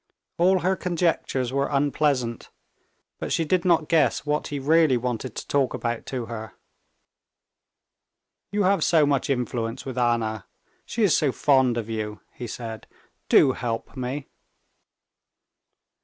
All her conjectures were unpleasant, but she did not guess what he really wanted to talk about to her. "You have so much influence with Anna, she is so fond of you," he said; "do help me."